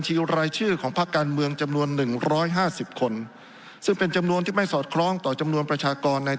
ละครที่แคนใหญ่ของรัฐธรรมนูลแห่งราชอาณาจักรไทย